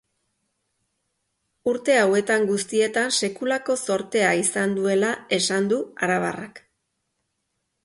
Urte hauetan guztietan sekulako zortea izan duela esan du arabarrak.